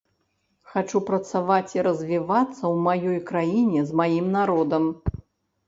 Хачу працаваць і развівацца ў маёй краіне, з маім народам.